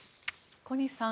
小西さん